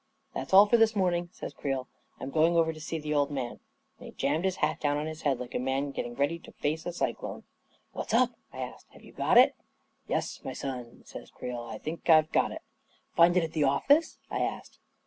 " That's all for this morning," says Creel. " I'm going over to see the old man," and he jammed his hat down on his head like a man getting ready to face a cyclone. " What's up ?" I asked. " Have you got it ?" H Yes, my son," says Creel, " I think I've got it." 11 Find it at the office? " I asked.